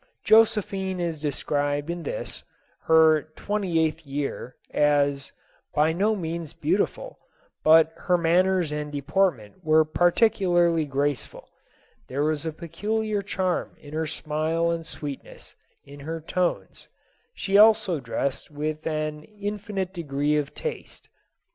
Josephine is described in this, her twenty eighth year, as "by no means beautiful, but her manners and deportment were particularly graceful: there was a peculiar charm in her smile and sweetness in her tones: she also dressed with an infinite degree of taste."